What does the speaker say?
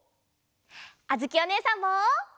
あづきおねえさんも！